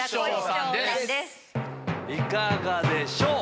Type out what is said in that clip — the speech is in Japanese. いかがでしょう？